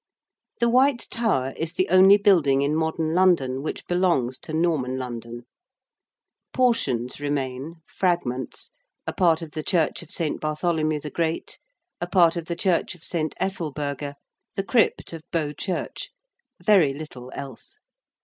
The White Tower is the only building in modern London which belongs to Norman London. Portions remain fragments a part of the church of St. Bartholomew the Great, a part of the church of St. Ethelburga, the crypt of Bow Church: very little else.